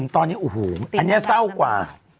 ตอนนี้โอ้โหอันนี้เศร้ากว่า